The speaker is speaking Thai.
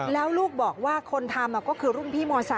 แล้วลูกบอกว่าคนทำก็คือรุ่นพี่ม๓